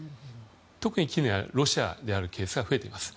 特に近年はロシアであるケースが増えています。